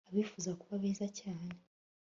Abifuza kuba beza cyane